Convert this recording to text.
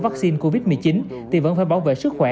vắc xin covid một mươi chín thì vẫn phải bảo vệ sức khỏe